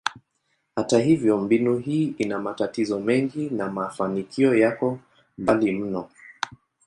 Hata hivyo, mbinu hii ina matatizo mengi na mafanikio yako mbali mno.